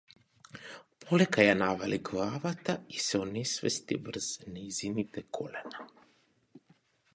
Полека ја навали главата и се онесвести врз нејзините колена.